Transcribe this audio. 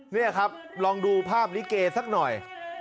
นี่ครับลองดูภาพลิเกสักหน่อย